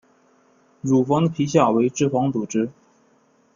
乳房的皮下为脂肪组织。